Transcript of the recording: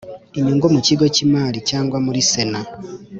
inyungu mu kigo cy imari cyangwa muri sena